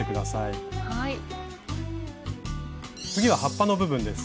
次は葉っぱの部分です。